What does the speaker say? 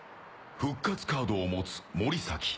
復活カードを持つ森崎。